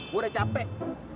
gue udah capek